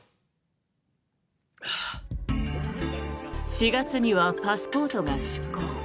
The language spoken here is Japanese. ４月にはパスポートが失効。